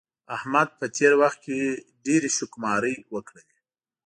احمد په تېر وخت کې ډېرې شوکماری وکړلې.